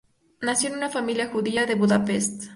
Nació en una familia judía de Budapest.